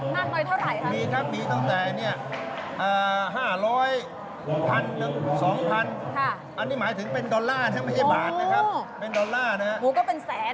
เมื่อสักครู่คุณชุวิตคุยกับผู้เสียหายเขาเสียหายมากมายเท่าไหร่คะ